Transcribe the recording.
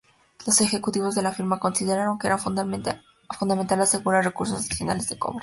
Los ejecutivos de la firma consideraron que era fundamental asegurar recursos adicionales de cobre.